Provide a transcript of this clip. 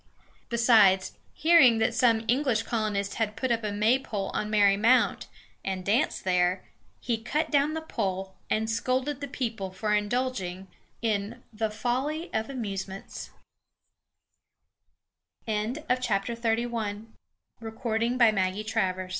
Besides, hearing that some English colonists had put up a Maypole on Merry Mount, and danced there, he cut down the pole and scolded the people for indulging in "the folly of amusements." XXXII. THE BEGINNING OF BOSTON.